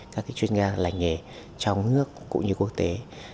các chuyên gia lành nghề trong nước cũng như quốc tế